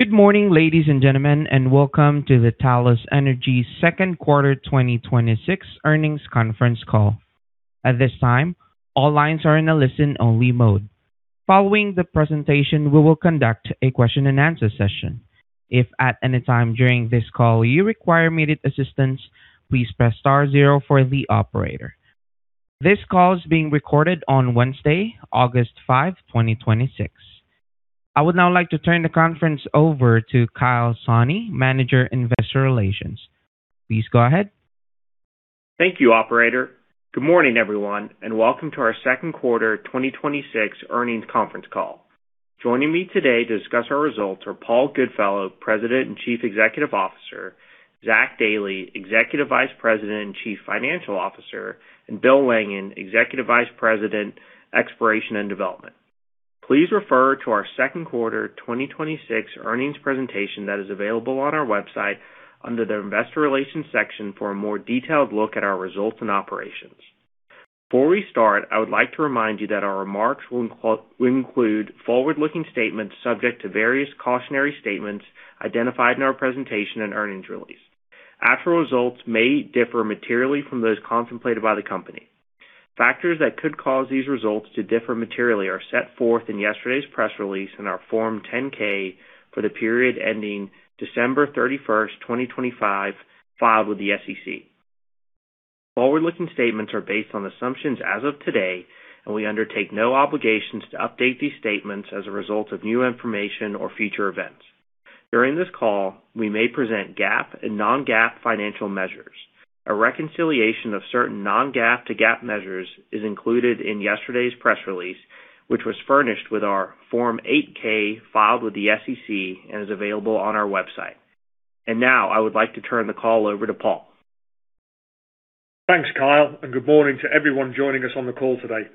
Good morning, ladies and gentlemen, and welcome to the Talos Energy Second Quarter 2026 earnings conference call. At this time, all lines are in a listen-only mode. Following the presentation, we will conduct a question-and-answer session. If at any time during this call you require immediate assistance, please press star zero for the operator. This call is being recorded on Wednesday, August 5, 2026. I would now like to turn the conference over to Kyle Sahni, Manager of Investor Relations. Please go ahead. Thank you, operator. Good morning, everyone, and welcome to our second quarter 2026 earnings conference call. Joining me today to discuss our results are Paul Goodfellow, President and Chief Executive Officer, Zach Dailey, Executive Vice President and Chief Financial Officer, and Bill Langin, Executive Vice President, Exploration and Development. Please refer to our second quarter 2026 earnings presentation that is available on our website under the investor relations section for a more detailed look at our results and operations. Before we start, I would like to remind you that our remarks will include forward-looking statements subject to various cautionary statements identified in our presentation and earnings release. Actual results may differ materially from those contemplated by the company. Factors that could cause these results to differ materially are set forth in yesterday's press release and our Form 10-K for the period ending December 31st, 2025, filed with the SEC. Forward-looking statements are based on assumptions as of today. We undertake no obligations to update these statements as a result of new information or future events. During this call, we may present GAAP and non-GAAP financial measures. A reconciliation of certain non-GAAP to GAAP measures is included in yesterday's press release, which was furnished with our Form 8-K filed with the SEC and is available on our website. Now I would like to turn the call over to Paul. Thanks, Kyle. Good morning to everyone joining us on the call today.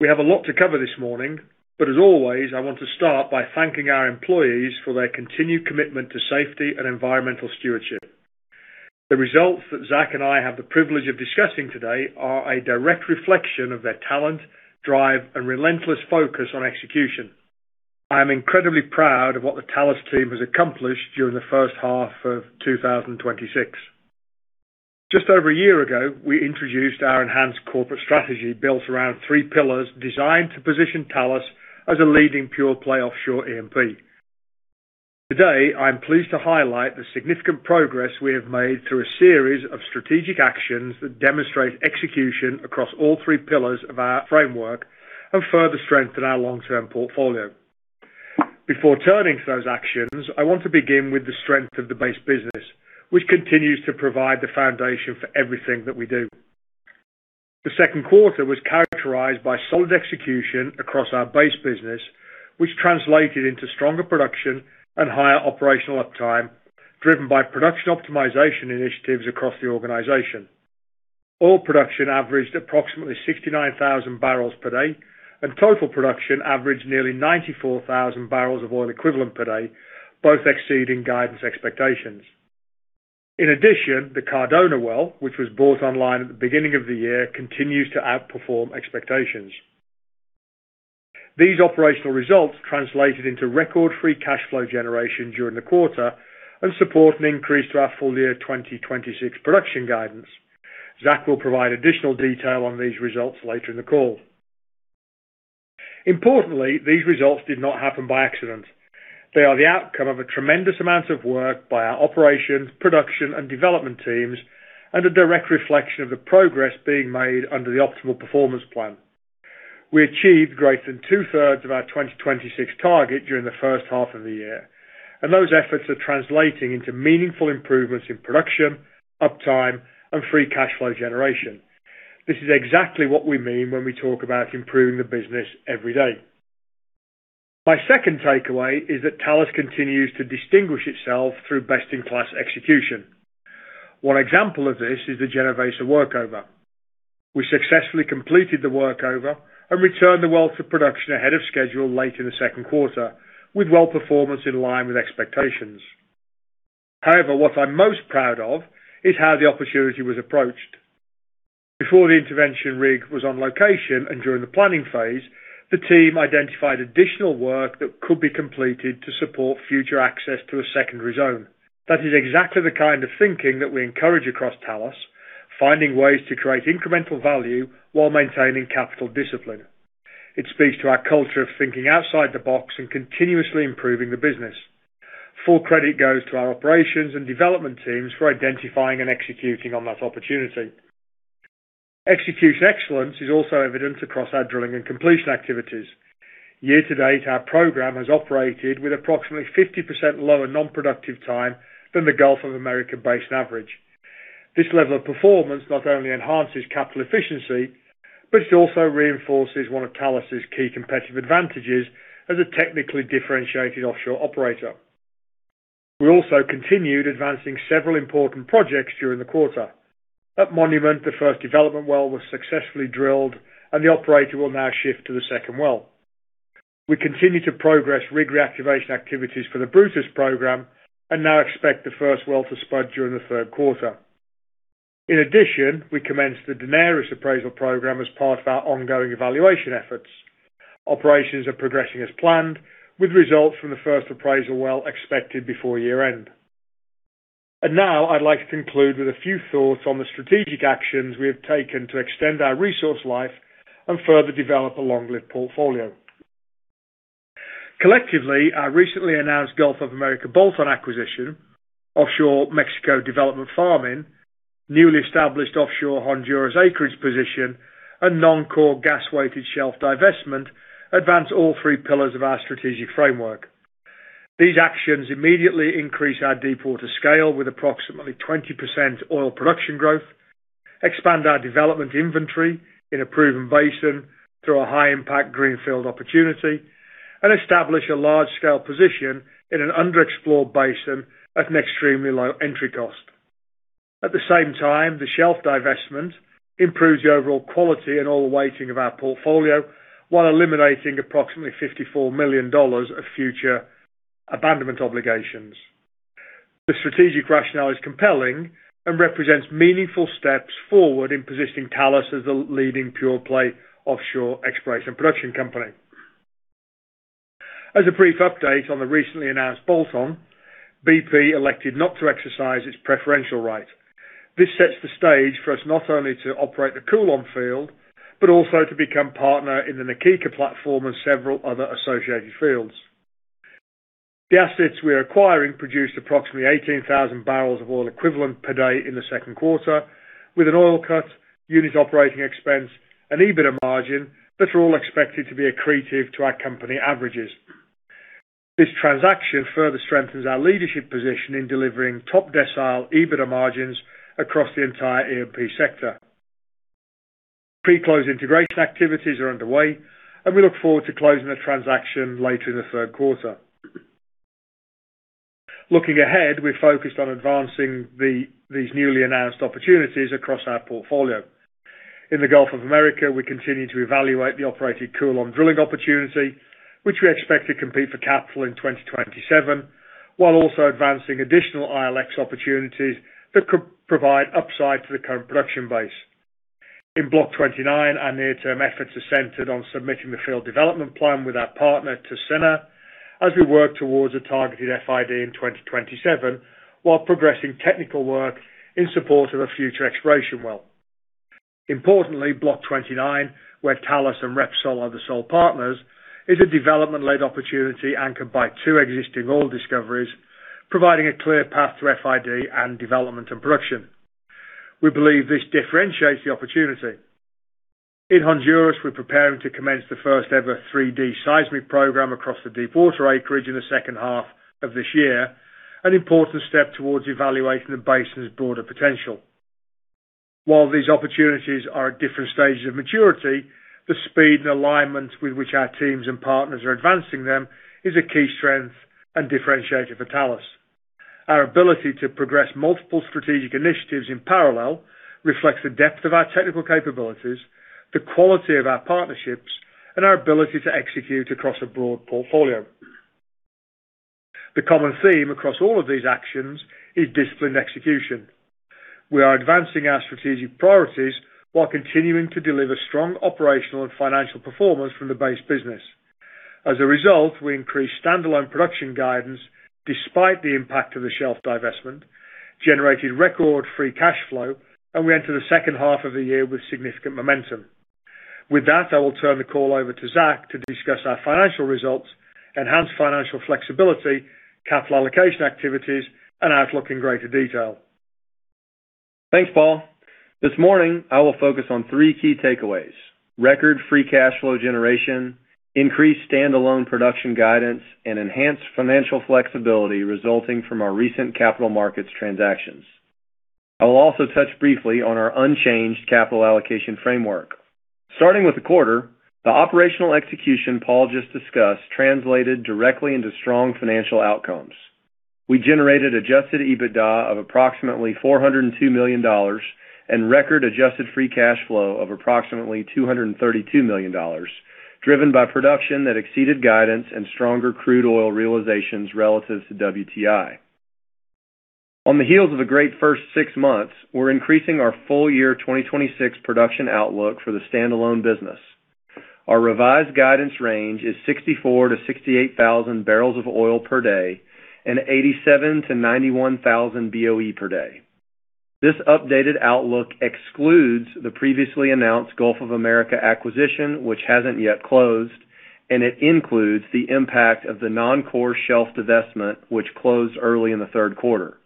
We have a lot to cover this morning. As always, I want to start by thanking our employees for their continued commitment to safety and environmental stewardship. The results that Zach and I have the privilege of discussing today are a direct reflection of their talent, drive, and relentless focus on execution. I am incredibly proud of what the Talos team has accomplished during the first half of 2026. Just over a year ago, we introduced our enhanced corporate strategy built around three pillars designed to position Talos as a leading pure-play offshore E&P. Today, I am pleased to highlight the significant progress we have made through a series of strategic actions that demonstrate execution across all three pillars of our framework and further strengthen our long-term portfolio. Before turning to those actions, I want to begin with the strength of the base business, which continues to provide the foundation for everything that we do. The second quarter was characterized by solid execution across our base business, which translated into stronger production and higher operational uptime, driven by production optimization initiatives across the organization. Oil production averaged approximately 69,000 barrels per day, and total production averaged nearly 94,000 barrels of oil equivalent per day, both exceeding guidance expectations. In addition, the Cardona well, which was brought online at the beginning of the year, continues to outperform expectations. These operational results translated into record free cash flow generation during the quarter and support an increase to our full-year 2026 production guidance. Zach will provide additional detail on these results later in the call. Importantly, these results did not happen by accident. They are the outcome of a tremendous amount of work by our operations, production, and development teams and a direct reflection of the progress being made under the Optimal Performance Plan. We achieved greater than two-thirds of our 2026 target during the first half of the year, those efforts are translating into meaningful improvements in production, uptime, and free cash flow generation. This is exactly what we mean when we talk about improving the business every day. My second takeaway is that Talos continues to distinguish itself through best-in-class execution. One example of this is the Genovesa workover. We successfully completed the workover and returned the well to production ahead of schedule late in the second quarter, with well performance in line with expectations. What I'm most proud of is how the opportunity was approached. Before the intervention rig was on location and during the planning phase, the team identified additional work that could be completed to support future access to a secondary zone. That is exactly the kind of thinking that we encourage across Talos, finding ways to create incremental value while maintaining capital discipline. It speaks to our culture of thinking outside the box and continuously improving the business. Full credit goes to our operations and development teams for identifying and executing on that opportunity. Execution excellence is also evident across our drilling and completion activities. Year to date, our program has operated with approximately 50% lower non-productive time than the Gulf of Mexico basin average. This level of performance not only enhances capital efficiency, it also reinforces one of Talos's key competitive advantages as a technically differentiated offshore operator. We also continued advancing several important projects during the quarter. At Monument, the first development well was successfully drilled, the operator will now shift to the second well. We continue to progress rig reactivation activities for the Brutus program and now expect the first well to spud during the third quarter. In addition, we commenced the Daenerys appraisal program as part of our ongoing evaluation efforts. Operations are progressing as planned, with results from the first appraisal well expected before year-end. Now I'd like to conclude with a few thoughts on the strategic actions we have taken to extend our resource life and further develop a long-lived portfolio. Collectively, our recently announced Gulf of Mexico bolt-on acquisition, offshore Mexico development farm-in, newly established offshore Honduras acreage position, and non-core gas-weighted shelf divestment advance all three pillars of our strategic framework. These actions immediately increase our deepwater scale with approximately 20% oil production growth, expand our development inventory in a proven basin through a high-impact greenfield opportunity, and establish a large-scale position in an underexplored basin at an extremely low entry cost. At the same time, the shelf divestment improves the overall quality and oil weighting of our portfolio while eliminating approximately $54 million of future abandonment obligations. The strategic rationale is compelling and represents meaningful steps forward in positioning Talos as the leading pure-play offshore exploration production company. As a brief update on the recently announced bolt-on, BP elected not to exercise its preferential right. This sets the stage for us not only to operate the Coulomb field, but also to become partner in the Na Kika platform and several other associated fields. The assets we are acquiring produced approximately 18,000 barrels of oil equivalent per day in the second quarter, with an oil cut, unit operating expense, and EBITDA margin that are all expected to be accretive to our company averages. This transaction further strengthens our leadership position in delivering top-decile EBITDA margins across the entire E&P sector. Pre-close integration activities are underway. We look forward to closing the transaction later in the third quarter. Looking ahead, we're focused on advancing these newly announced opportunities across our portfolio. In the Gulf of Mexico, we continue to evaluate the operated Coulomb drilling opportunity, which we expect to compete for capital in 2027, while also advancing additional ILX opportunities that could provide upside to the current production base. In Block 29, our near-term efforts are centered on submitting the field development plan with our partner to CNOOC, as we work towards a targeted FID in 2027, while progressing technical work in support of a future exploration well. Importantly, Block 29, where Talos and Repsol are the sole partners, is a development-led opportunity anchored by two existing oil discoveries, providing a clear path to FID and development and production. We believe this differentiates the opportunity. In Honduras, we're preparing to commence the first-ever 3D seismic program across the deepwater acreage in the second half of this year, an important step towards evaluating the basin's broader potential. While these opportunities are at different stages of maturity, the speed and alignment with which our teams and partners are advancing them is a key strength and differentiator for Talos. Our ability to progress multiple strategic initiatives in parallel reflects the depth of our technical capabilities, the quality of our partnerships, and our ability to execute across a broad portfolio. The common theme across all of these actions is disciplined execution. We are advancing our strategic priorities while continuing to deliver strong operational and financial performance from the base business. As a result, we increased standalone production guidance despite the impact of the shelf divestment, generated record free cash flow. We enter the second half of the year with significant momentum. With that, I will turn the call over to Zach to discuss our financial results, enhanced financial flexibility, capital allocation activities, and outlook in greater detail. Thanks, Paul. This morning, I will focus on three key takeaways: record free cash flow generation, increased standalone production guidance, and enhanced financial flexibility resulting from our recent capital markets transactions. I will also touch briefly on our unchanged capital allocation framework. Starting with the quarter, the operational execution Paul just discussed translated directly into strong financial outcomes. We generated adjusted EBITDA of approximately $402 million and record adjusted free cash flow of approximately $232 million, driven by production that exceeded guidance and stronger crude oil realizations relative to WTI. On the heels of a great first six months, we're increasing our full year 2026 production outlook for the standalone business. Our revised guidance range is 64,000 to 68,000 barrels of oil per day and 87,000 to 91,000 BOE per day. This updated outlook excludes the previously announced Gulf of America acquisition, which hasn't yet closed, and it includes the impact of the non-core shelf divestment, which closed early in the third quarter.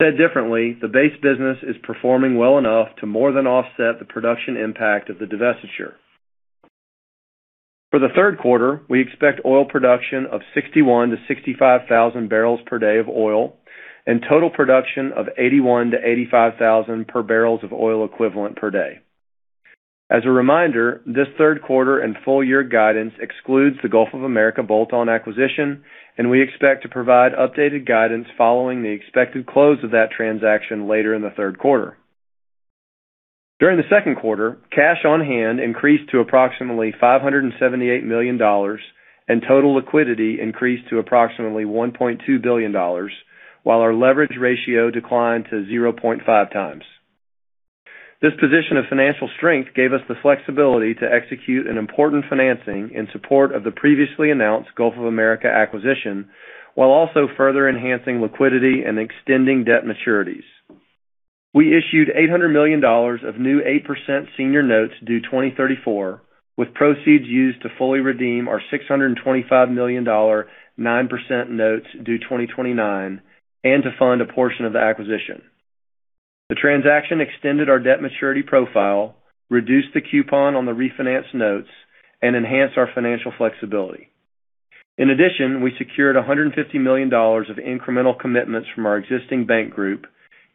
Said differently, the base business is performing well enough to more than offset the production impact of the divestiture. For the third quarter, we expect oil production of 61,000 to 65,000 barrels per day of oil and total production of 81,000 to 85,000 barrels of oil equivalent per day. As a reminder, this third quarter and full-year guidance excludes the Gulf of America bolt-on acquisition, and we expect to provide updated guidance following the expected close of that transaction later in the third quarter. During the second quarter, cash on hand increased to approximately $578 million, and total liquidity increased to approximately $1.2 billion, while our leverage ratio declined to 0.5 times. This position of financial strength gave us the flexibility to execute an important financing in support of the previously announced Gulf of America acquisition, while also further enhancing liquidity and extending debt maturities. We issued $800 million of new 8% senior notes due 2034, with proceeds used to fully redeem our $625 million 9% notes due 2029 and to fund a portion of the acquisition. The transaction extended our debt maturity profile, reduced the coupon on the refinanced notes, and enhanced our financial flexibility. In addition, we secured $150 million of incremental commitments from our existing bank group,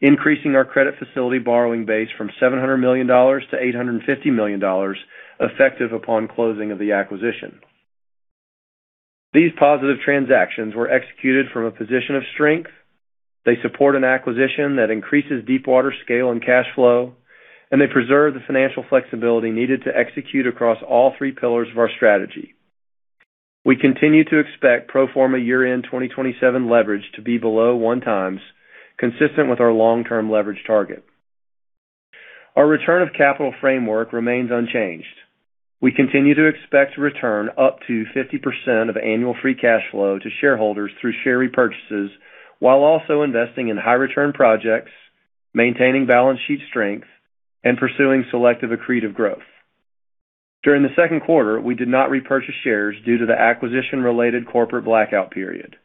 increasing our credit facility borrowing base from $700 million to $850 million, effective upon closing of the acquisition. These positive transactions were executed from a position of strength. They support an acquisition that increases Deepwater's scale and cash flow, and they preserve the financial flexibility needed to execute across all three pillars of our strategy. We continue to expect pro forma year-end 2027 leverage to be below one times, consistent with our long-term leverage target. Our return of capital framework remains unchanged. We continue to expect to return up to 50% of annual free cash flow to shareholders through share repurchases, while also investing in high-return projects, maintaining balance sheet strength, and pursuing selective accretive growth. During the second quarter, we did not repurchase shares due to the acquisition-related corporate blackout period.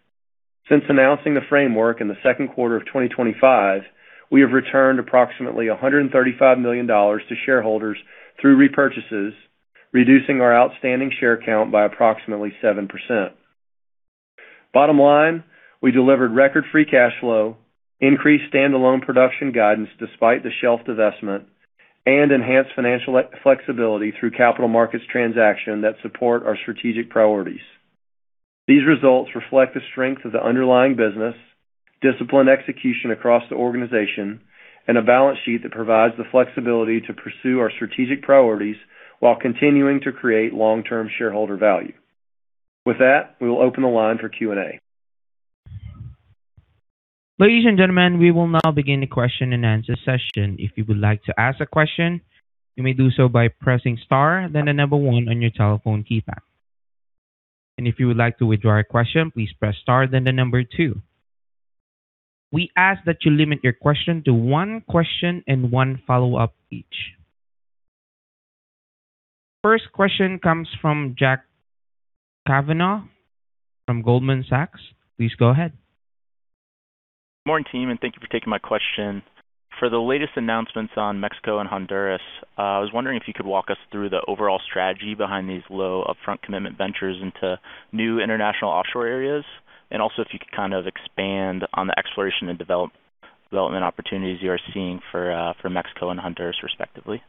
Since announcing the framework in the second quarter of 2025, we have returned approximately $135 million to shareholders through repurchases, reducing our outstanding share count by approximately 7%. Bottom line, we delivered record free cash flow, increased standalone production guidance despite the shelf divestment, and enhanced financial flexibility through capital markets transaction that support our strategic priorities. These results reflect the strength of the underlying business, disciplined execution across the organization, and a balance sheet that provides the flexibility to pursue our strategic priorities while continuing to create long-term shareholder value. With that, we will open the line for Q&A. Ladies and gentlemen, we will now begin the question-and-answer session. If you would like to ask a question, you may do so by pressing star then the number one on your telephone keypad. If you would like to withdraw a question, please press star then the number two. We ask that you limit your question to one question and one follow-up each. First question comes from Jack Cavanagh from Goldman Sachs. Please go ahead. Morning, team, thank you for taking my question. For the latest announcements on Mexico and Honduras, I was wondering if you could walk us through the overall strategy behind these low upfront commitment ventures into new international Deepwater areas, also if you could expand on the exploration and development opportunities you are seeing for Mexico and Honduras, respectively.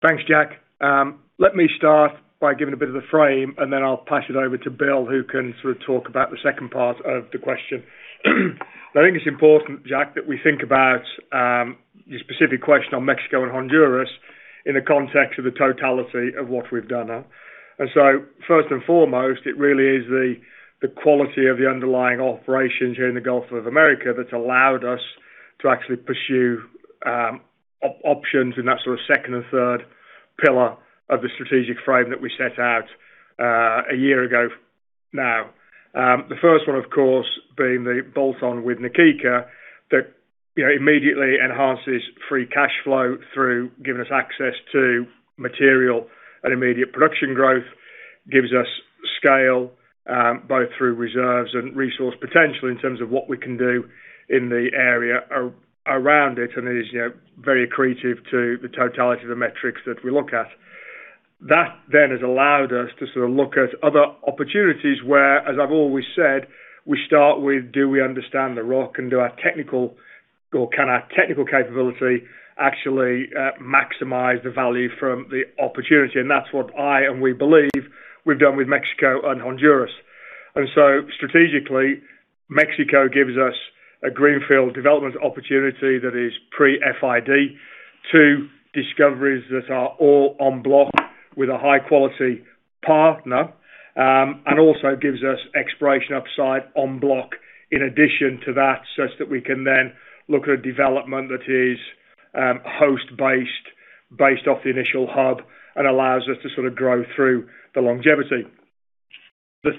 Thanks, Jack. Let me start by giving a bit of the frame, then I'll pass it over to Bill, who can talk about the second part of the question. I think it's important, Jack, that we think about your specific question on Mexico and Honduras in the context of the totality of what we've done now. First and foremost, it really is the quality of the underlying operations here in the Gulf of Mexico that's allowed us to actually pursue options in that second and third pillar of the strategic frame that we set out a year ago now. The first one, of course, being the bolt-on with Na Kika that immediately enhances free cash flow through giving us access to material and immediate production growth, gives us scale both through reserves and resource potential in terms of what we can do in the area around it, and is very accretive to the totality of the metrics that we look at. Has allowed us to look at other opportunities where, as I've always said, we start with do we understand the rock and can our technical capability actually maximize the value from the opportunity? That's what I and we believe we've done with Mexico and Honduras. Strategically, Mexico gives us a greenfield development opportunity that is pre-FID to discoveries that are all on block with a high-quality partner, and also gives us exploration upside on block in addition to that, such that we can then look at a development that is host based off the initial hub and allows us to grow through the longevity. The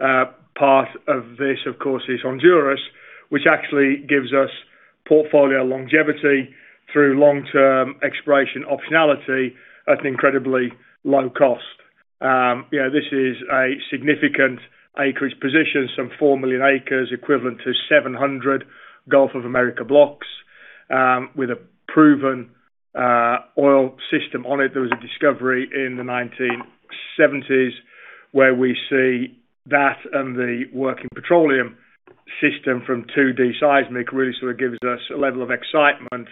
third part of this, of course, is Honduras, which actually gives us portfolio longevity through long-term exploration optionality at an incredibly low cost. This is a significant acreage position, some 4 million acres, equivalent to 700 Gulf of Mexico blocks, with a proven oil system on it. There was a discovery in the 1970s where we see that and the working petroleum system from 2D seismic really gives us a level of excitement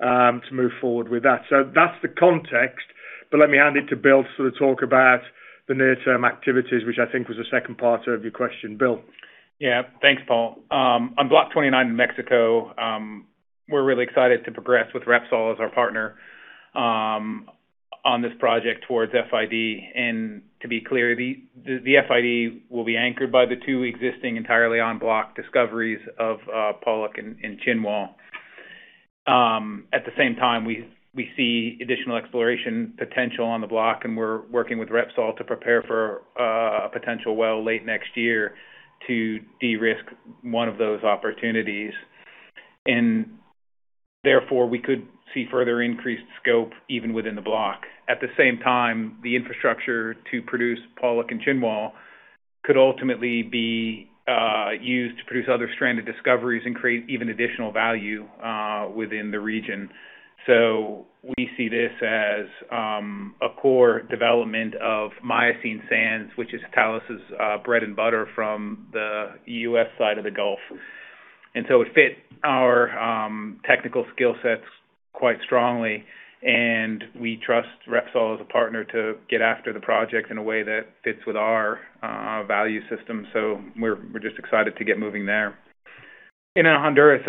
to move forward with that. That's the context. Let me hand it to Bill to talk about the near-term activities, which I think was the second part of your question. Bill? Yeah. Thanks, Paul. On Block 29 in Mexico, we're really excited to progress with Repsol as our partner on this project towards FID. To be clear, the FID will be anchored by the two existing entirely on-block discoveries of Polok and Chinwol. At the same time, we see additional exploration potential on the block, and we're working with Repsol to prepare for a potential well late next year to de-risk one of those opportunities. Therefore, we could see further increased scope even within the block. At the same time, the infrastructure to produce Polok and Chinwol could ultimately be used to produce other stranded discoveries and create even additional value within the region. We see this as a core development of Miocene sands, which is Talos' bread and butter from the U.S. side of the Gulf. It fit our technical skill sets quite strongly, and we trust Repsol as a partner to get after the project in a way that fits with our value system. We're just excited to get moving there. In Honduras,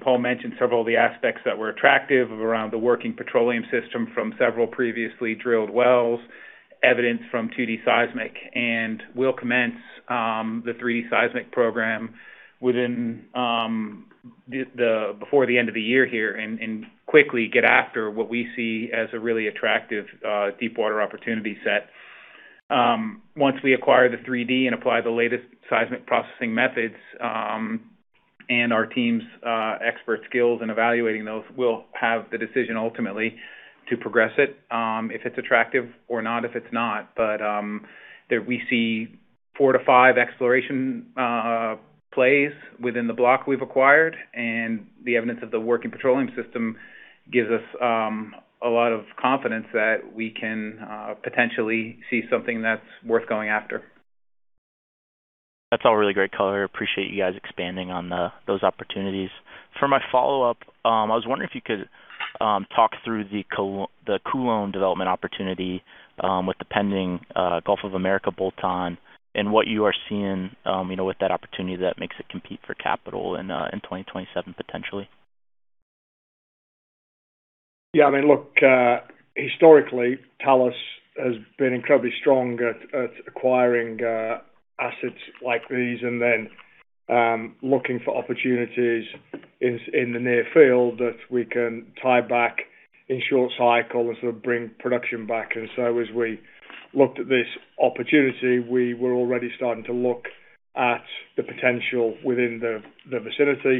Paul mentioned several of the aspects that were attractive around the working petroleum system from several previously drilled wells, evidence from 2D seismic, and we'll commence the 3D seismic program before the end of the year here and quickly get after what we see as a really attractive Deepwater opportunity set. Once we acquire the 3D and apply the latest seismic processing methods, and our team's expert skills in evaluating those, we'll have the decision ultimately to progress it, if it's attractive, or not, if it's not. We see four to five exploration plays within the block we've acquired, and the evidence of the working petroleum system gives us a lot of confidence that we can potentially see something that's worth going after. That's all really great color. Appreciate you guys expanding on those opportunities. For my follow-up, I was wondering if you could talk through the Coulomb development opportunity, with the pending Gulf of Mexico bolt-on, and what you are seeing with that opportunity that makes it compete for capital in 2027, potentially. Yeah. Historically, Talos has been incredibly strong at acquiring assets like these and then looking for opportunities in the near field that we can tie back in short cycle and bring production back. As we looked at this opportunity, we were already starting to look at the potential within the vicinity.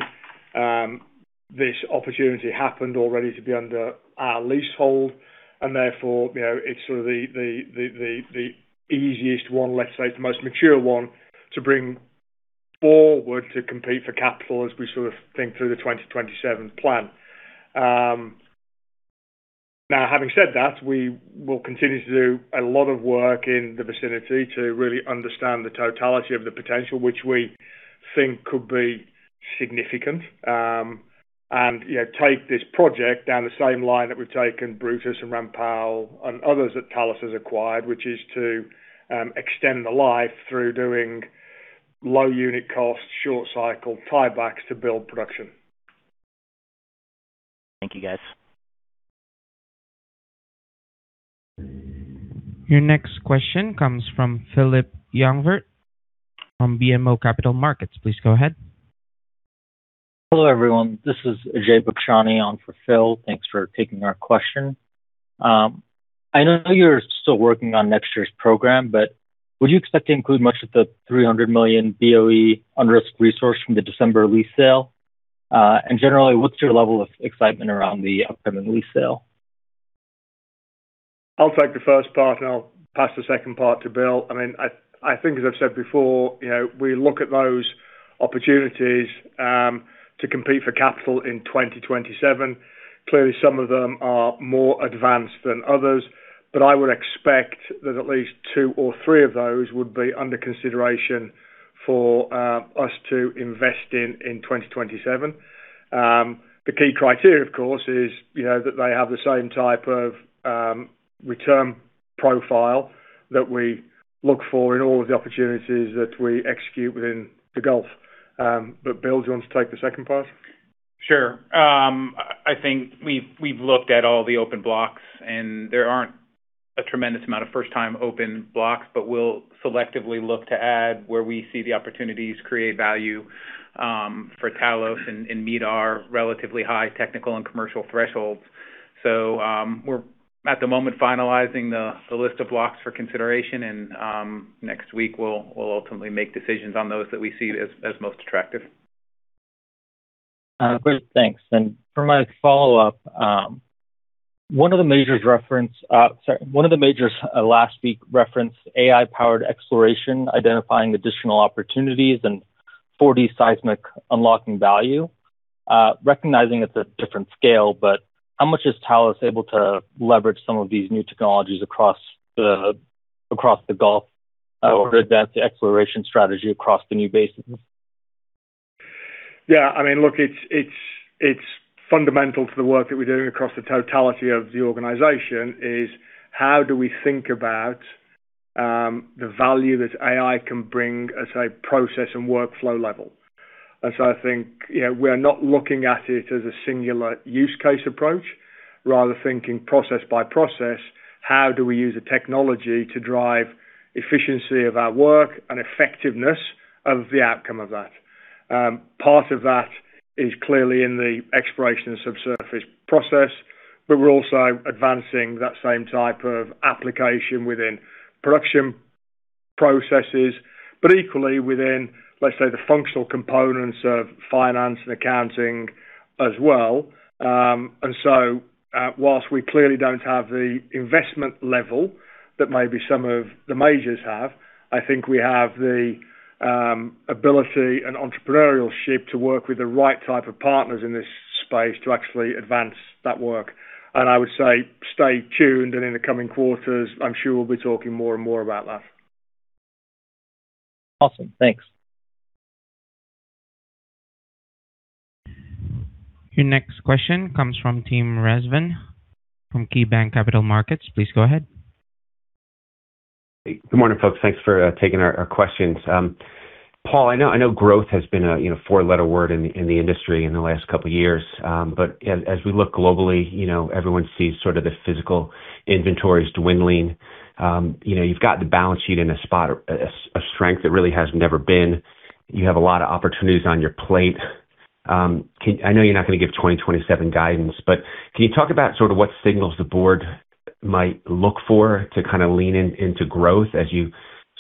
This opportunity happened already to be under our leasehold, and therefore, it's the easiest one, let's say, the most mature one to bring forward to compete for capital as we think through the 2027 plan. Having said that, we will continue to do a lot of work in the vicinity to really understand the totality of the potential, which we think could be significant. We'll take this project down the same line that we've taken Brutus and Ram Powell and others that Talos has acquired, which is to extend the life through doing low unit cost, short cycle tiebacks to build production. Thank you, guys. Your next question comes from Phillip Jungwirth from BMO Capital Markets. Please go ahead. Hello, everyone. This is Ajay Bakshani on for Phil. Thanks for taking our question. I know you're still working on next year's program, but would you expect to include much of the 300 million BOE unrisked resource from the December lease sale? Generally, what's your level of excitement around the upcoming lease sale? I'll take the first part, I'll pass the second part to Bill. I think, as I've said before, we look at those opportunities to compete for capital in 2027. Clearly, some of them are more advanced than others, I would expect that at least two or three of those would be under consideration for us to invest in in 2027. The key criteria, of course, is that they have the same type of return profile that we look for in all of the opportunities that we execute within the Gulf. Bill, do you want to take the second part? Sure. I think we've looked at all the open blocks, there aren't a tremendous amount of first-time open blocks, but we'll selectively look to add where we see the opportunities create value for Talos and meet our relatively high technical and commercial thresholds. We're at the moment finalizing the list of blocks for consideration, and next week, we'll ultimately make decisions on those that we see as most attractive. Great. Thanks. For my follow-up, one of the majors last week referenced AI-powered exploration, identifying additional opportunities and 4D seismic unlocking value. Recognizing it's a different scale, how much is Talos able to leverage some of these new technologies across the Gulf in order to advance the exploration strategy across the new basins? Yeah. Look, it's fundamental to the work that we're doing across the totality of the organization is how do we think about the value that AI can bring at, say, process and workflow level. I think we are not looking at it as a singular use case approach, rather thinking process by process, how do we use the technology to drive efficiency of our work and effectiveness of the outcome of that? Part of that is clearly in the exploration and subsurface process, but we're also advancing that same type of application within production processes, but equally within, let's say, the functional components of finance and accounting as well. Whilst we clearly don't have the investment level that maybe some of the majors have, I think we have the ability and entrepreneurship to work with the right type of partners in this space to actually advance that work. I would say stay tuned, and in the coming quarters, I'm sure we'll be talking more and more about that. Awesome. Thanks. Your next question comes from Tim Rezvan from KeyBanc Capital Markets. Please go ahead. Hey. Good morning, folks. Thanks for taking our questions. Paul, I know growth has been a four-letter word in the industry in the last couple of years. As we look globally, everyone sees sort of the physical inventories dwindling. You've got the balance sheet in a spot of strength that really has never been. You have a lot of opportunities on your plate. I know you're not going to give 2027 guidance, but can you talk about sort of what signals the board might look for to kind of lean into growth as you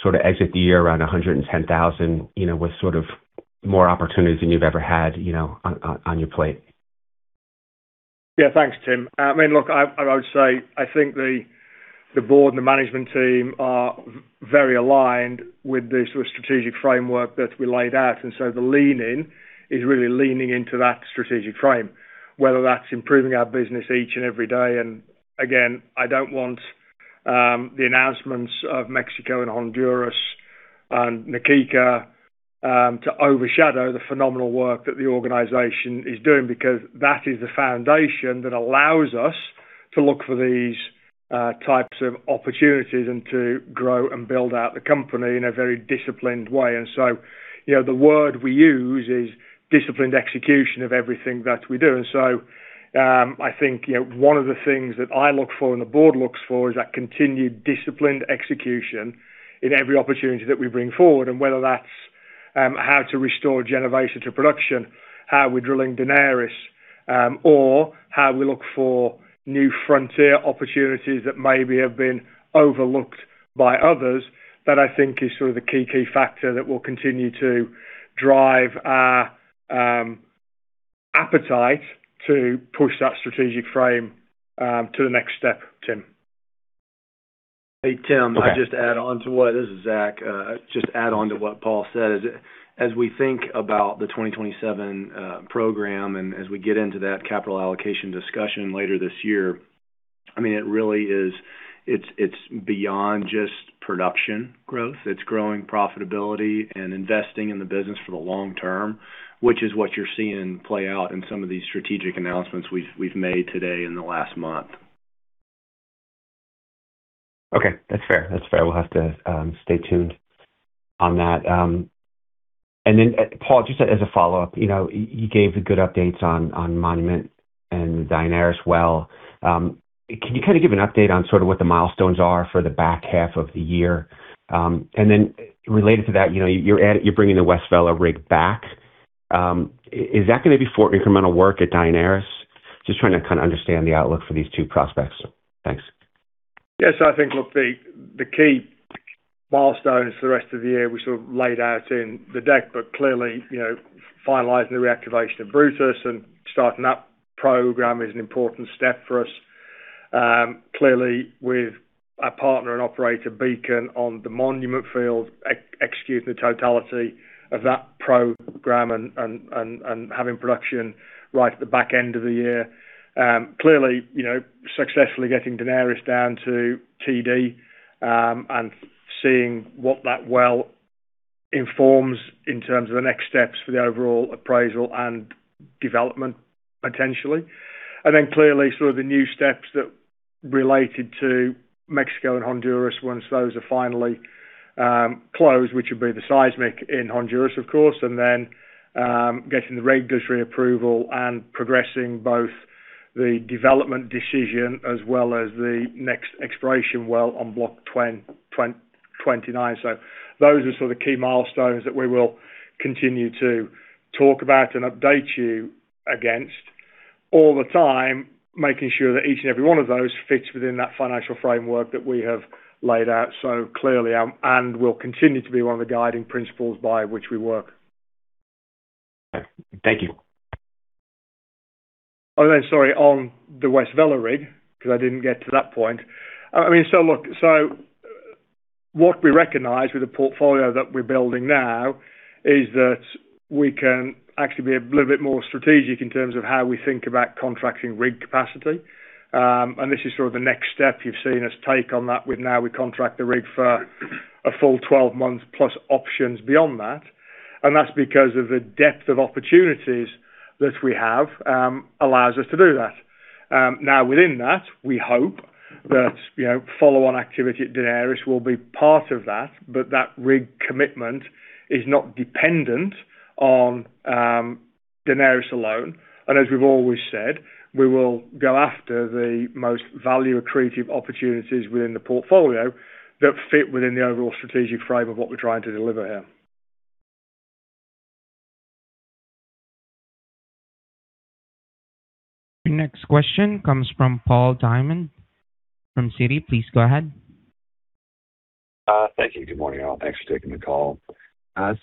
sort of exit the year around 110,000 with sort of more opportunities than you've ever had on your plate? Yeah. Thanks, Tim. I would say, I think the board and the management team are very aligned with the sort of strategic framework that we laid out. The leaning is really leaning into that strategic frame, whether that's improving our business each and every day. Again, I don't want the announcements of Mexico and Honduras and Na Kika to overshadow the phenomenal work that the organization is doing, because that is the foundation that allows us to look for these types of opportunities and to grow and build out the company in a very disciplined way. The word we use is disciplined execution of everything that we do. I think one of the things that I look for and the board looks for is that continued disciplined execution in every opportunity that we bring forward. Whether that's how to restore Genovesa to production, how we're drilling Daenerys, or how we look for new frontier opportunities that maybe have been overlooked by others, that I think is sort of the key factor that will continue to drive our appetite to push that strategic frame to the next step, Tim. Hey, Tim. This is Zach. Just add on to what Paul said. As we think about the 2027 program, and as we get into that capital allocation discussion later this year, it's beyond just production growth. It's growing profitability and investing in the business for the long term, which is what you're seeing play out in some of these strategic announcements we've made today in the last month. Okay. That's fair. We'll have to stay tuned on that. Paul, just as a follow-up. You gave the good updates on Monument and Daenerys well. Can you kind of give an update on sort of what the milestones are for the back half of the year? Related to that, you're bringing the West Vela rig back. Is that going to be for incremental work at Daenerys? Just trying to kind of understand the outlook for these two prospects. Thanks. Yes. I think, look, the key milestones for the rest of the year, we sort of laid out in the deck. Clearly, finalizing the reactivation of Brutus and starting that program is an important step for us. Clearly, with our partner and operator, Beacon, on the Monument field, executing the totality of that program and having production right at the back end of the year. Clearly, successfully getting Daenerys down to TD, seeing what that well informs in terms of the next steps for the overall appraisal and development potentially. Clearly, sort of the new steps that related to Mexico and Honduras once those are finally closed, which would be the seismic in Honduras, of course, getting the regulatory approval and progressing both the development decision as well as the next exploration well on block 29. Those are sort of key milestones that we will continue to talk about and update you against all the time, making sure that each and every one of those fits within that financial framework that we have laid out so clearly and will continue to be one of the guiding principles by which we work. Thank you. Sorry, on the West Vela rig because I didn't get to that point. Look, what we recognize with the portfolio that we're building now is that we can actually be a little bit more strategic in terms of how we think about contracting rig capacity. This is sort of the next step you've seen us take on that with now we contract the rig for a full 12 months plus options beyond that. That's because of the depth of opportunities that we have allows us to do that. Within that, we hope that follow-on activity at Daenerys will be part of that, but that rig commitment is not dependent on Daenerys alone. As we've always said, we will go after the most value accretive opportunities within the portfolio that fit within the overall strategic frame of what we're trying to deliver here. Your next question comes from Paul Diamond from Citi. Please go ahead. Thank you. Good morning, all. Thanks for taking the call.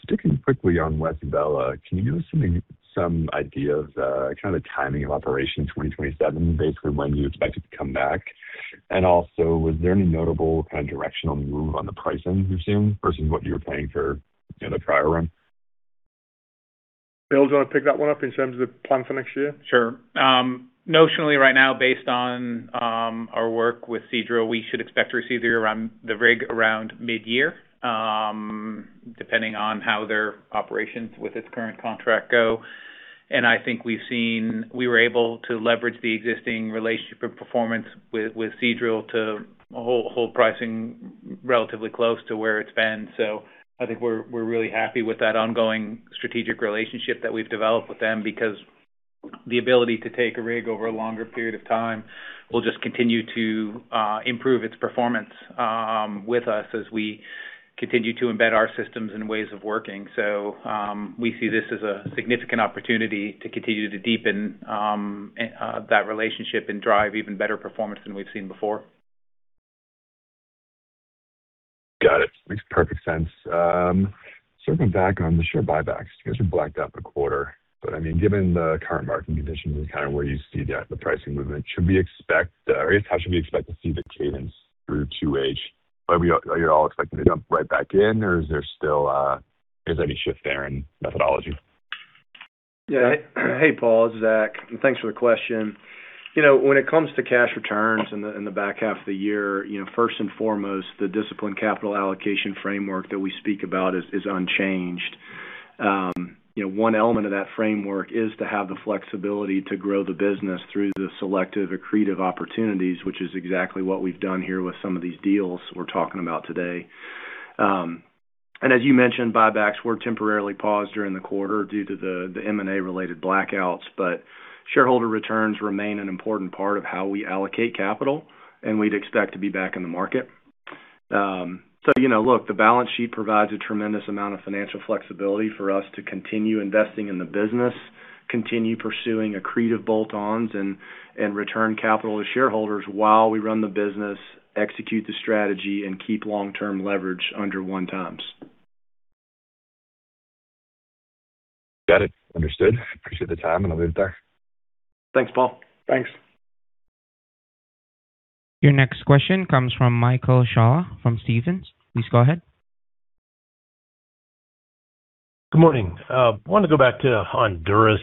Sticking quickly on West Vela, can you give us some idea of the kind of timing of operations 2027, basically when you expect it to come back? Was there any notable kind of directional move on the pricing you've seen versus what you were planning for in the prior round? Bill, do you want to pick that one up in terms of the plan for next year? Sure. Notionally right now, based on our work with Seadrill, we should expect to receive the rig around mid-year, depending on how their operations with its current contract go. I think we were able to leverage the existing relationship and performance with Seadrill to hold pricing relatively close to where it's been. I think we're really happy with that ongoing strategic relationship that we've developed with them because the ability to take a rig over a longer period of time will just continue to improve its performance with us as we continue to embed our systems and ways of working. We see this as a significant opportunity to continue to deepen that relationship and drive even better performance than we've seen before. Got it. Makes perfect sense. Circling back on the share buybacks. You guys are blacked out the quarter, but given the current market conditions and kind of where you see the pricing movement, should we expect, or I guess how should we expect to see the cadence through 2H? Are you all expecting to jump right back in or is there any shift there in methodology? Yeah. Hey, Paul. This is Zach, thanks for the question. When it comes to cash returns in the back half of the year, first and foremost, the disciplined capital allocation framework that we speak about is unchanged. One element of that framework is to have the flexibility to grow the business through the selective accretive opportunities, which is exactly what we've done here with some of these deals we're talking about today. As you mentioned, buybacks were temporarily paused during the quarter due to the M&A-related blackouts, shareholder returns remain an important part of how we allocate capital, we'd expect to be back in the market. Look, the balance sheet provides a tremendous amount of financial flexibility for us to continue investing in the business, continue pursuing accretive bolt-ons and return capital to shareholders while we run the business, execute the strategy and keep long-term leverage under one times. Got it. Understood. Appreciate the time, I'll leave it there. Thanks, Paul. Thanks. Your next question comes from Michael Scialla from Stephens. Please go ahead. Good morning. Wanted to go back to Honduras.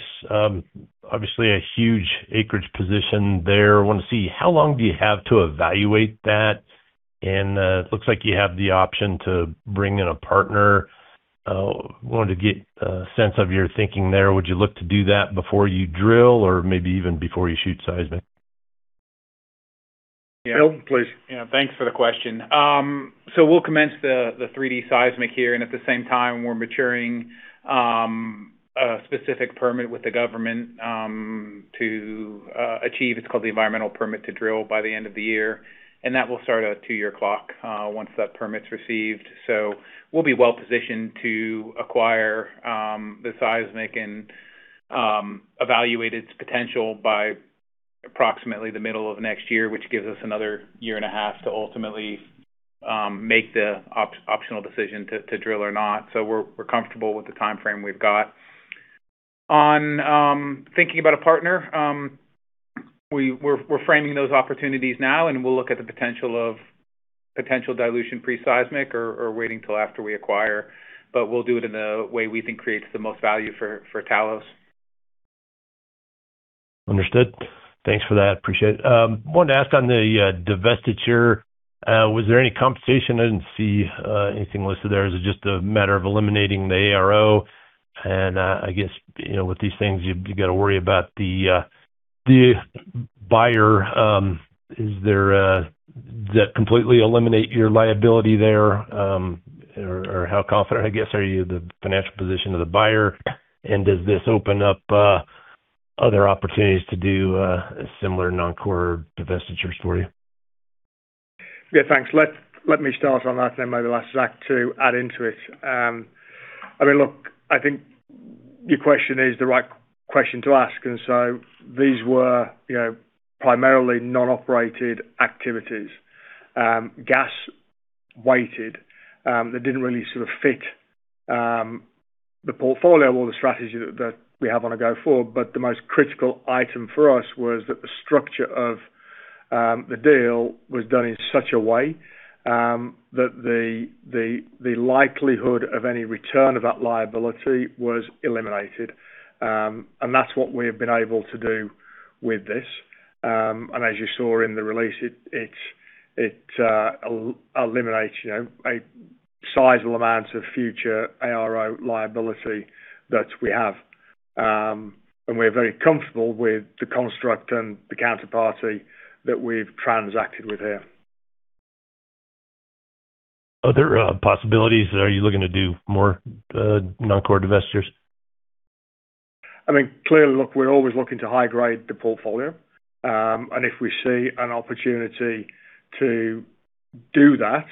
Obviously a huge acreage position there. Want to see how long do you have to evaluate that? It looks like you have the option to bring in a partner. Wanted to get a sense of your thinking there. Would you look to do that before you drill or maybe even before you shoot seismic? Bill, please. Thanks for the question. We'll commence the 3D seismic here, and at the same time, we're maturing a specific permit with the government to achieve, it's called the environmental permit to drill by the end of the year. That will start a 2-year clock once that permit's received. We'll be well-positioned to acquire the seismic and evaluate its potential by approximately the middle of next year, which gives us another year and a half to ultimately make the optional decision to drill or not. We're comfortable with the timeframe we've got. On thinking about a partner, we're framing those opportunities now, and we'll look at the potential of potential dilution pre-seismic or waiting until after we acquire. We'll do it in a way we think creates the most value for Talos. Understood. Thanks for that. Appreciate it. Wanted to ask on the divestiture, was there any compensation? I didn't see anything listed there. Is it just a matter of eliminating the ARO? I guess, with these things, you've got to worry about the buyer. Does that completely eliminate your liability there? How confident, I guess, are you the financial position of the buyer? Does this open up other opportunities to do a similar non-core divestiture story? Thanks. Let me start on that, then maybe I'll ask Zach to add into it. I think your question is the right question to ask, these were primarily non-operated activities, gas weighted, that didn't really sort of fit the portfolio or the strategy that we have on a go forward. The most critical item for us was that the structure of the deal was done in such a way that the likelihood of any return of that liability was eliminated. That's what we have been able to do with this. As you saw in the release, it eliminates a sizable amount of future ARO liability that we have. We're very comfortable with the construct and the counterparty that we've transacted with here. Are there possibilities? Are you looking to do more non-core divestitures? Clearly, look, we're always looking to high-grade the portfolio. If we see an opportunity to do that,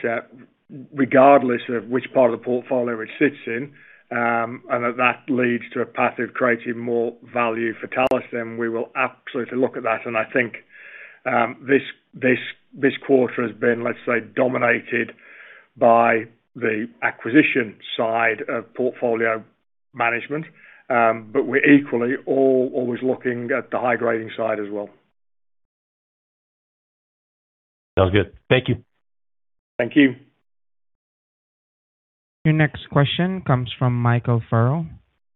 regardless of which part of the portfolio it sits in, and that leads to a path of creating more value for Talos, then we will absolutely look at that. I think this quarter has been, let's say, dominated by the acquisition side of portfolio management. We're equally all always looking at the high-grading side as well. Sounds good. Thank you. Thank you. Your next question comes from Michael Furrow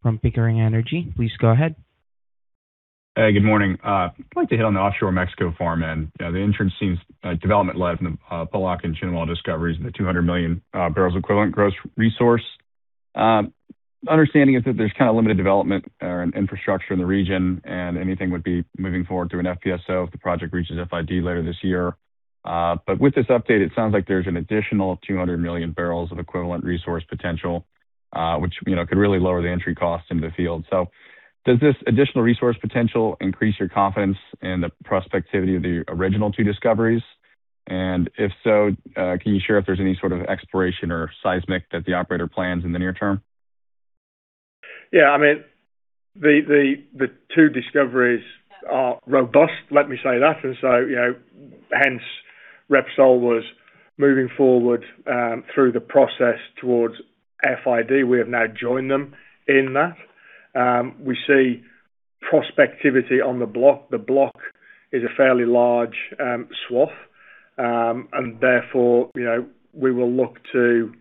from Pickering Energy. Please go ahead. Hey, good morning. I'd like to hit on the offshore Mexico farm end. The entrance seems development led from the Polok and Chinwol discoveries and the 200 million barrels equivalent gross resource. Understanding is that there's limited development and infrastructure in the region, and anything would be moving forward through an FPSO if the project reaches FID later this year. With this update, it sounds like there's an additional 200 million barrels of equivalent resource potential, which could really lower the entry cost into the field. Does this additional resource potential increase your confidence in the prospectivity of the original two discoveries? If so, can you share if there's any sort of exploration or seismic that the operator plans in the near term? Yeah. The two discoveries are robust, let me say that. Hence Repsol was moving forward through the process towards FID. We have now joined them in that. We see prospectivity on the block. The block is a fairly large swath. Therefore, we will look to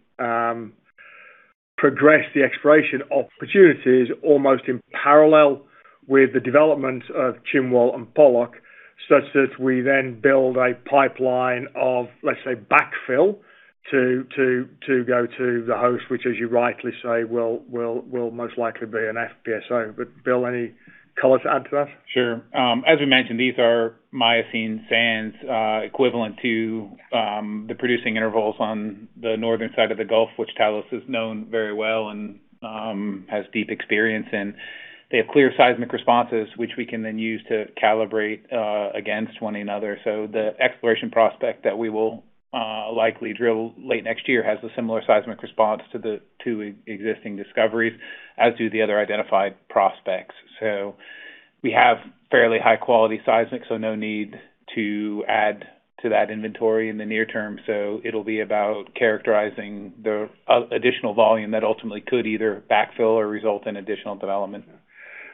progress the exploration opportunities almost in parallel with the development of Chinwol and Polok, such that we then build a pipeline of, let's say, backfill to go to the host, which as you rightly say, will most likely be an FPSO. Bill, any color to add to that? Sure. As we mentioned, these are Miocene sands, equivalent to the producing intervals on the northern side of the Gulf, which Talos has known very well and has deep experience in. They have clear seismic responses, which we can then use to calibrate against one another. The exploration prospect that we will likely drill late next year has a similar seismic response to the two existing discoveries, as do the other identified prospects. We have fairly high-quality seismic, so no need to add to that inventory in the near term. It'll be about characterizing the additional volume that ultimately could either backfill or result in additional development.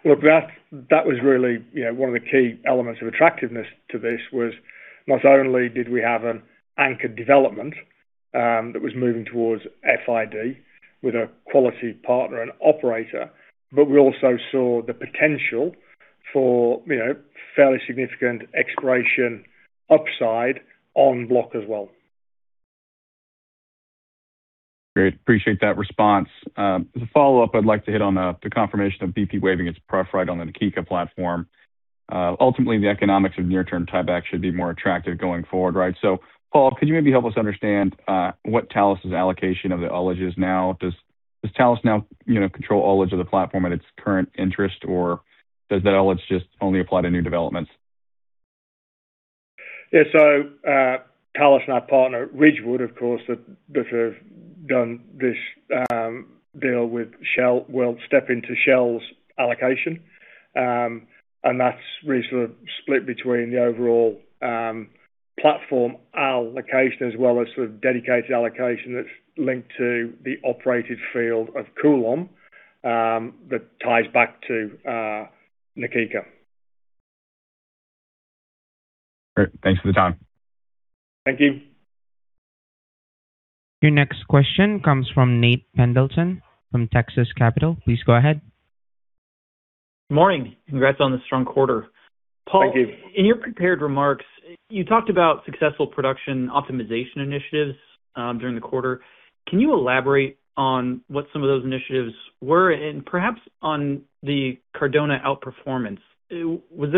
Look, that was really one of the key elements of attractiveness to this was not only did we have an anchored development that was moving towards FID with a quality partner and operator, but we also saw the potential for fairly significant exploration upside on block as well. Great. Appreciate that response. As a follow-up, I'd like to hit on the confirmation of BP waiving its pref right on the Na Kika platform. Ultimately, the economics of near-term tieback should be more attractive going forward, right? Paul, could you maybe help us understand what Talos' allocation of the oil is now? Does Talos now control all of the platform at its current interest, or does that all just only apply to new developments? Talos and our partner, Ridgewood, of course, that have done this deal with Shell, will step into Shell's allocation. That's really sort of split between the overall platform allocation as well as sort of dedicated allocation that's linked to the operated field of Coulomb that ties back to Na Kika. Great. Thanks for the time. Thank you. Your next question comes from Nate Pendleton from Texas Capital. Please go ahead. Morning. Congrats on the strong quarter. Thank you. Paul, in your prepared remarks, you talked about successful production optimization initiatives during the quarter. Can you elaborate on what some of those initiatives were? Perhaps on the Cardona outperformance, was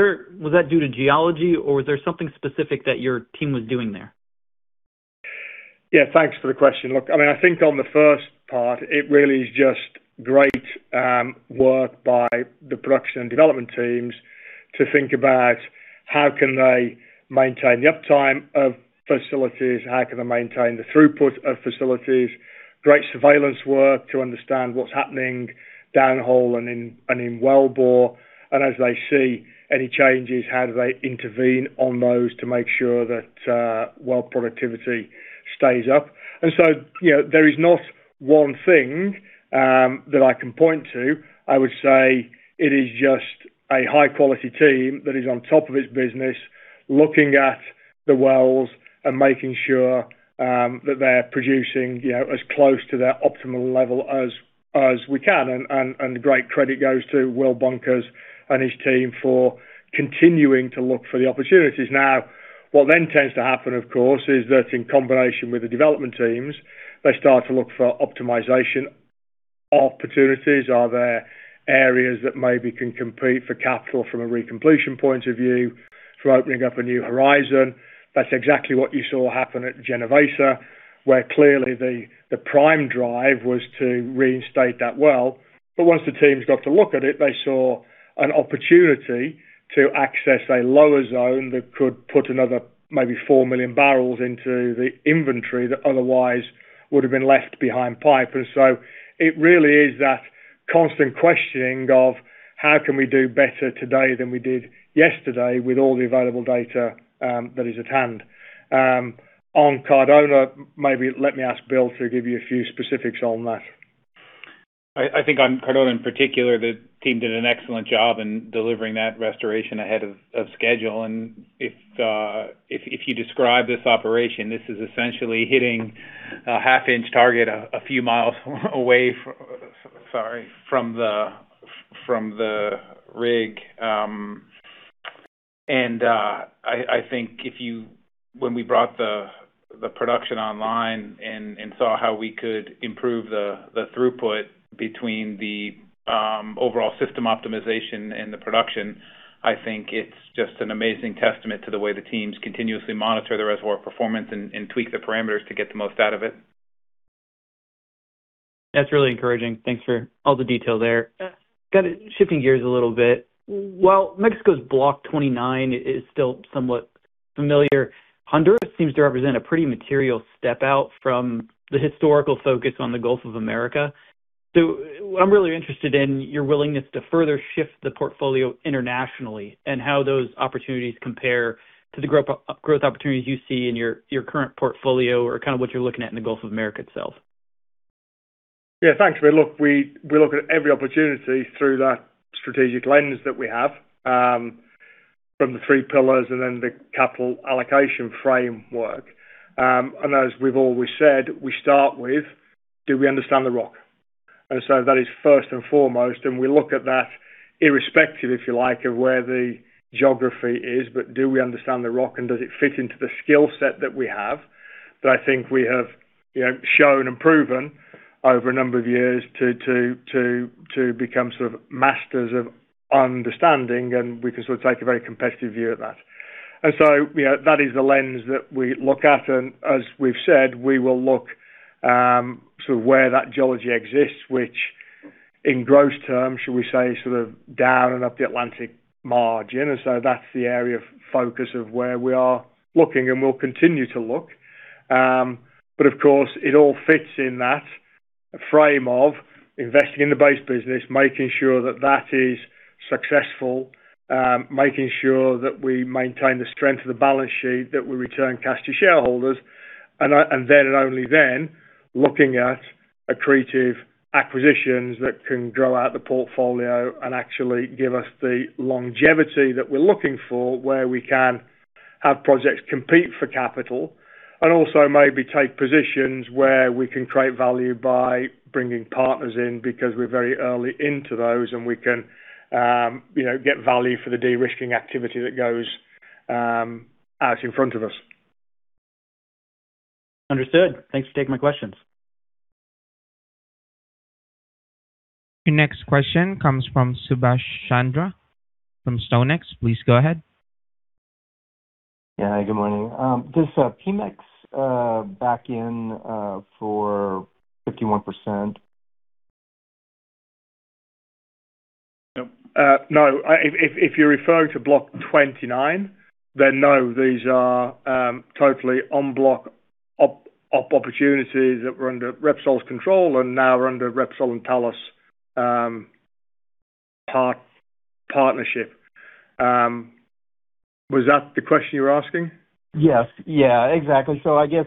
that due to geology or was there something specific that your team was doing there? Yeah. Thanks for the question. Look, I think on the first part, it really is just great work by the production and development teams to think about how can they maintain the uptime of facilities. How can they maintain the throughput of facilities? Great surveillance work to understand what's happening down the hole and in wellbore. As they see any changes, how do they intervene on those to make sure that well productivity stays up. There is not one thing that I can point to. I would say it is just a high-quality team that is on top of its business, looking at the wells and making sure that they're producing as close to their optimal level as we can. Great credit goes to Will Bunkers and his team for continuing to look for the opportunities. What then tends to happen, of course, is that in combination with the development teams, they start to look for optimization opportunities. Are there areas that maybe can compete for capital from a recompletion point of view, for opening up a new horizon? That's exactly what you saw happen at Genovesa, where clearly the prime drive was to reinstate that well. Once the teams got to look at it, they saw an opportunity to access a lower zone that could put another maybe 4 million barrels into the inventory that otherwise would have been left behind pipe. It really is that constant questioning of how can we do better today than we did yesterday with all the available data that is at hand. On Cardona, maybe let me ask Bill to give you a few specifics on that. I think on Cardona in particular, the team did an excellent job in delivering that restoration ahead of schedule. If you describe this operation, this is essentially hitting a half-inch target a few miles away from the rig. I think when we brought the production online and saw how we could improve the throughput between the overall system optimization and the production, I think it's just an amazing testament to the way the teams continuously monitor the reservoir performance and tweak the parameters to get the most out of it. That's really encouraging. Thanks for all the detail there. Shifting gears a little bit. While Mexico's Block 29 is still somewhat familiar, Honduras seems to represent a pretty material step out from the historical focus on the Gulf of Mexico. I'm really interested in your willingness to further shift the portfolio internationally and how those opportunities compare to the growth opportunities you see in your current portfolio or what you're looking at in the Gulf of Mexico itself. Thanks. We look at every opportunity through that strategic lens that we have from the three pillars and then the capital allocation framework. As we've always said, we start with, do we understand the rock? That is first and foremost, and we look at that irrespective, if you like, of where the geography is. Do we understand the rock, and does it fit into the skill set that we have? That I think we have shown and proven over a number of years to become sort of masters of understanding, and we can take a very competitive view of that. That is the lens that we look at, and as we've said, we will look sort of where that geology exists, which in gross terms, should we say, sort of down and up the Atlantic margin. That's the area of focus of where we are looking, and we'll continue to look. Of course, it all fits in that frame of investing in the base business, making sure that that is successful, making sure that we maintain the strength of the balance sheet, that we return cash to shareholders. Then, and only then, looking at accretive acquisitions that can grow out the portfolio and actually give us the longevity that we're looking for, where we can have projects compete for capital. Also maybe take positions where we can create value by bringing partners in because we're very early into those and we can get value for the de-risking activity that goes out in front of us. Understood. Thanks for taking my questions. Your next question comes from Subash Chandra from StoneX. Please go ahead. Good morning. Does Pemex back in for 51%? No. If you're referring to Block 29, no. These are totally on-block exploration opportunities that were under Repsol's control and now are under Repsol and Talos partnership. Was that the question you were asking? Yes. Exactly. I guess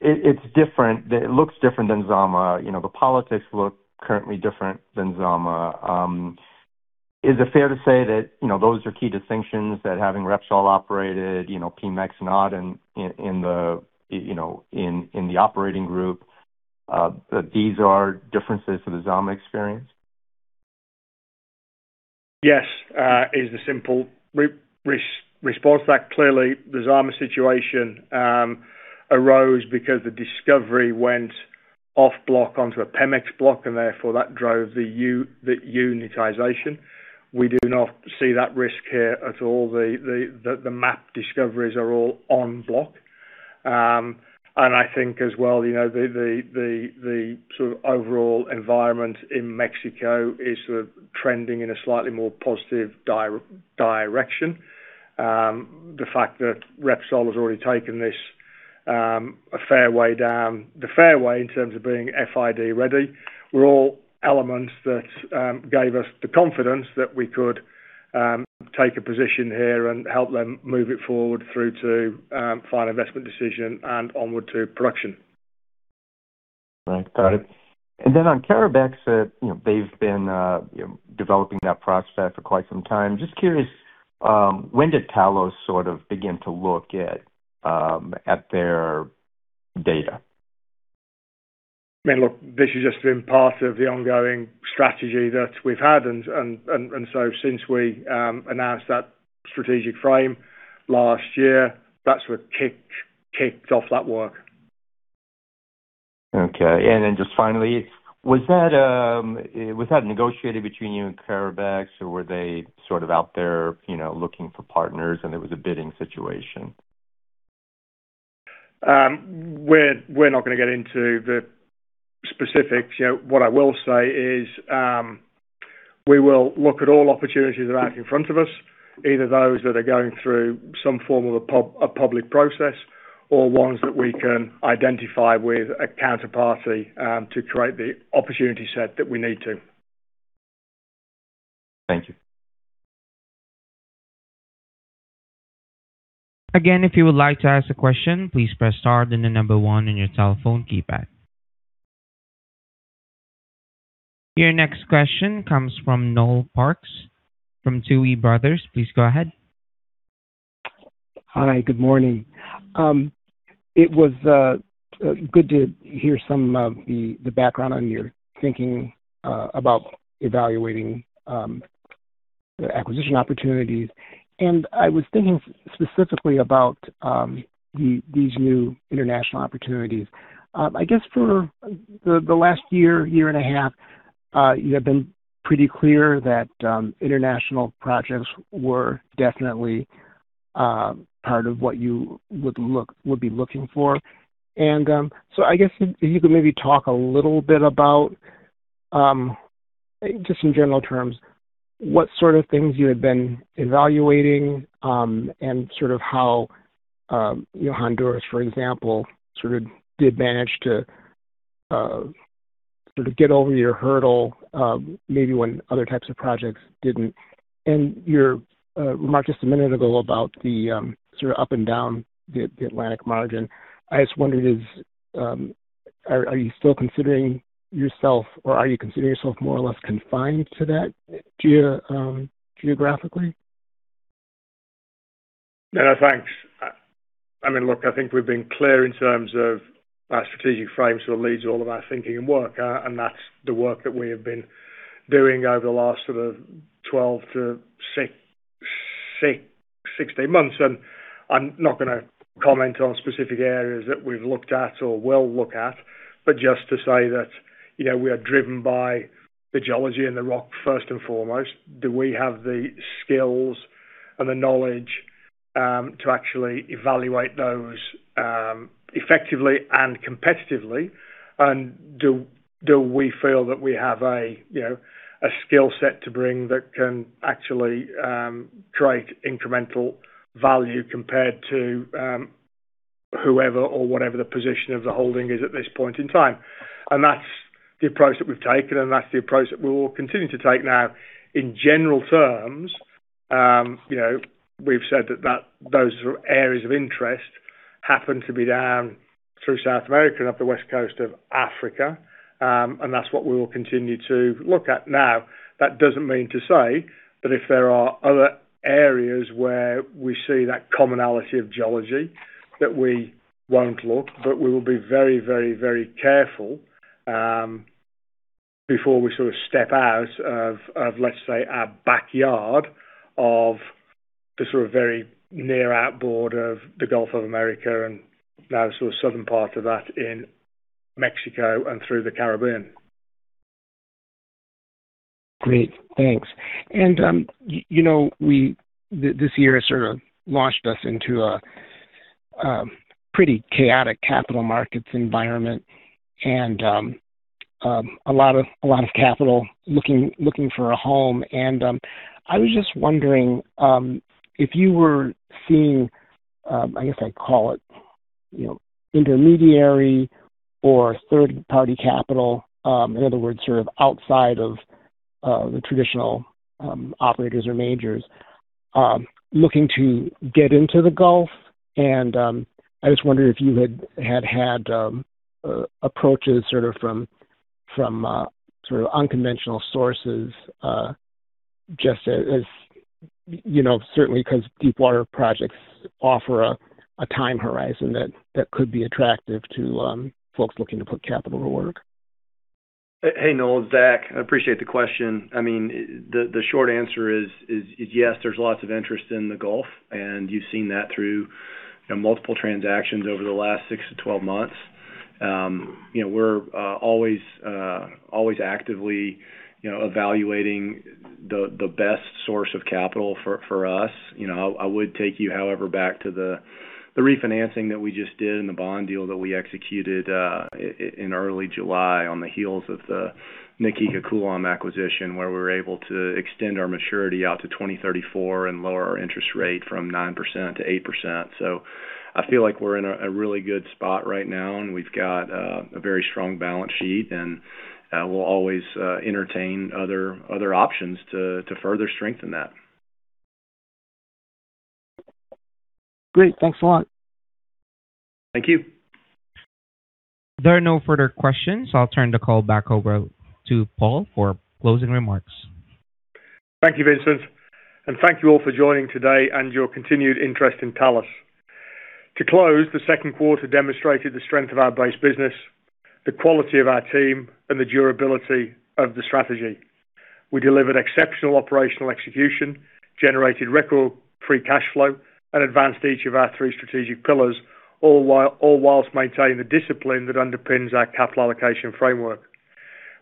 it looks different than Zama. The politics look currently different than Zama. Is it fair to say that those are key distinctions that having Repsol operated, Pemex not in the operating group, that these are differences to the Zama experience? Yes, is the simple response to that. Clearly, the Zama situation arose because the discovery went off block onto a Pemex block, therefore that drove the unitization. We do not see that risk here at all. The map discoveries are all on block. I think as well the sort of overall environment in Mexico is sort of trending in a slightly more positive direction. The fact that Repsol has already taken this a fair way down the fairway in terms of being FID ready, were all elements that gave us the confidence that we could take a position here and help them move it forward through to final investment decision and onward to production. Right. Got it. On Petrocarabobo, they've been developing that prospect for quite some time. Just curious, when did Talos sort of begin to look at their data? Look, this has just been part of the ongoing strategy that we've had. Since we announced that strategic frame last year, that's what kicked off that work. Okay. Just finally, was that negotiated between you and Repsol bilaterally, or were they sort of out there looking for partners and it was a bidding situation? We're not going to get into the specifics. What I will say is, we will look at all opportunities that are out in front of us, either those that are going through some form of a public process or ones that we can identify with a counterparty to create the opportunity set that we need to. Thank you. Again, if you would like to ask a question, please press star, then the number one on your telephone keypad. Your next question comes from Noel Parks from Tuohy Brothers. Please go ahead. Hi. Good morning. It was good to hear some of the background on your thinking about evaluating the acquisition opportunities. I was thinking specifically about these new international opportunities. I guess for the last year and a half, you have been pretty clear that international projects were definitely part of what you would be looking for. I guess if you could maybe talk a little bit about, just in general terms, what sort of things you had been evaluating, and sort of how Honduras, for example, sort of did manage to get over your hurdle, maybe when other types of projects didn't. Your remark just a minute ago about the sort of up and down the Atlantic margin. I just wondered, are you still considering yourself, or are you considering yourself more or less confined to that geographically? No. Thanks. Look, I think we've been clear in terms of our strategic frame sort of leads all of our thinking and work. That's the work that we have been doing over the last sort of 12 to 16 months. I'm not going to comment on specific areas that we've looked at or will look at, but just to say that we are driven by the geology and the rock first and foremost. Do we have the skills and the knowledge to actually evaluate those effectively and competitively? Do we feel that we have a skill set to bring that can actually create incremental value compared to whoever or whatever the position of the holding is at this point in time? That's the approach that we've taken, and that's the approach that we will continue to take. In general terms, we've said that those areas of interest happen to be down through South America and up the West Coast of Africa. That's what we will continue to look at. That doesn't mean to say that if there are other areas where we see that commonality of geology, that we won't look. We will be very careful before we sort of step out of, let's say, our backyard of the sort of very near outboard of the Gulf of Mexico and now sort of southern part of that in Mexico and through the Caribbean. Great. Thanks. This year has sort of launched us into a pretty chaotic capital markets environment and a lot of capital looking for a home. I was just wondering if you were seeing, I guess I'd call it intermediary or third-party capital, in other words, sort of outside of the traditional operators or majors, looking to get into the Gulf. I just wondered if you had had approaches sort of from unconventional sources, just as certainly because deepwater projects offer a time horizon that could be attractive to folks looking to put capital to work. Hey, Noel, Zach. I appreciate the question. The short answer is yes, there's lots of interest in the Gulf, and you've seen that through multiple transactions over the last 6-12 months. We're always actively evaluating the best source of capital for us. I would take you, however, back to the refinancing that we just did and the bond deal that we executed in early July on the heels of the Na Kika-Coulomb acquisition, where we were able to extend our maturity out to 2034 and lower our interest rate from 9% to 8%. I feel like we're in a really good spot right now, and we've got a very strong balance sheet, and we'll always entertain other options to further strengthen that. Great. Thanks a lot. Thank you. There are no further questions. I'll turn the call back over to Paul for closing remarks. Thank you, Vincent. Thank you all for joining today and your continued interest in Talos. To close, the second quarter demonstrated the strength of our base business, the quality of our team, and the durability of the strategy. We delivered exceptional operational execution, generated record free cash flow, and advanced each of our three strategic pillars, all whilst maintaining the discipline that underpins our capital allocation framework.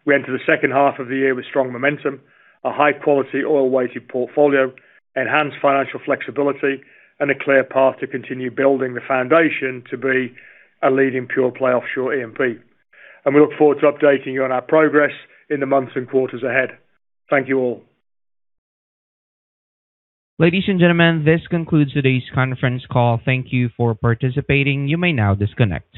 We enter the second half of the year with strong momentum, a high-quality oil-weighted portfolio, enhanced financial flexibility, and a clear path to continue building the foundation to be a leading pure-play offshore E&P. We look forward to updating you on our progress in the months and quarters ahead. Thank you all. Ladies and gentlemen, this concludes today's conference call. Thank you for participating. You may now disconnect.